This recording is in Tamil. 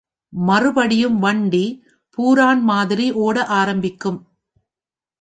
மறுபடியும் வண்டி பூரான் மாதிரி ஓட ஆரம்பிக்கும்.